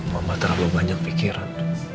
mama terlalu banyak pikiran